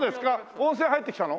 温泉入ってきたの？